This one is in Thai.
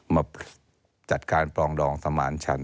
มาจัดการปรองดองสมานฉัน